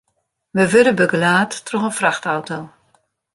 We wurde begelaat troch in frachtauto.